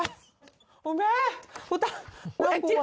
อุ้ยแม่อุ้ยต้อง